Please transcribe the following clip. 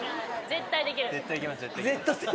絶対できる。